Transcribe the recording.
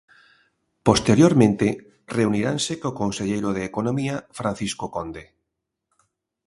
Posteriormente, reuniranse co conselleiro de Economía, Francisco Conde.